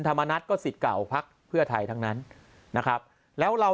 ธรรมนัฐก็สิทธิ์เก่าพักเพื่อไทยทั้งนั้นนะครับแล้วเรา